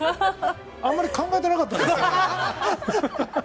あまり考えてなかったですね。